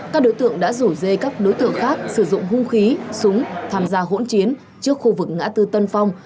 các đối tượng đã rủ dê các đối tượng khác sử dụng hung khí súng tham gia hỗn chiến trước khu vực ngã tư tân phong